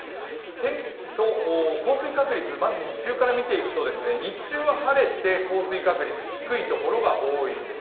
天気と降水確率、まず日中から見ていくと日中は晴れて、降水確率低いところが多いんです。